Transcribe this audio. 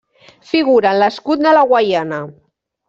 Figura en l'escut de la Guaiana.